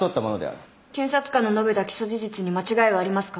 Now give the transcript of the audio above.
検察官の述べた起訴事実に間違いはありますか。